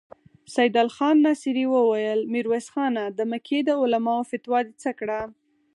سيدال خان ناصري وويل: ميرويس خانه! د مکې د علماوو فتوا دې څه کړه؟